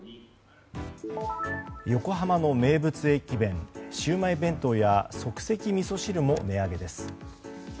横浜の名物駅弁シウマイ弁当や即席みそ汁も値上げです。